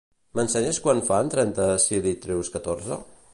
M'ensenyes quant fan trenta si li treus catorze?